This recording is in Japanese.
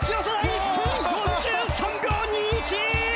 １分４３秒２１！